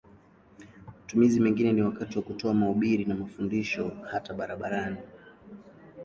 Matumizi mengine ni wakati wa kutoa mahubiri na mafundisho hata barabarani.